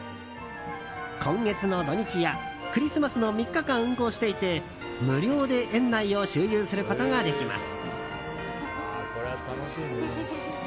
今月の土日やクリスマスの３日間運行していて無料で園内を周遊することができます。